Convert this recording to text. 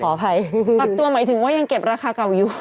ขออภัยปรับตัวหมายถึงว่ายังเก็บราคาเก่าอยู่